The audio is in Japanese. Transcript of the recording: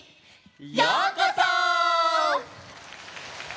ようこそ！